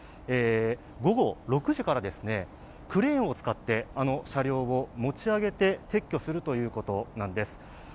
午後６時からクレーンを使ってあの車両を持ち上げて撤去するということなんです。